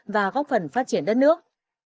và góp phần phát triển đất nước